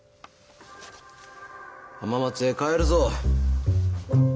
浜松へ帰るぞ。